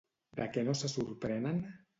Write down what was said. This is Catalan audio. De què no se sorprenen?